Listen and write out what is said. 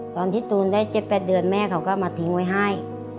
ตอนที่ตูนได้๗๘เดือนแม่เขาก็มาทิ้งไว้ให้